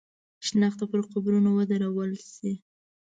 شنخته پر قبر ودرول شي.